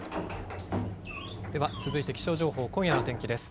では続いて気象情報、今夜の天気です。